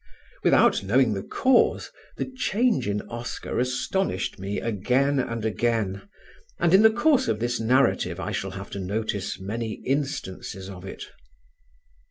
Without knowing the cause the change in Oscar astonished me again and again, and in the course of this narrative I shall have to notice many instances of it.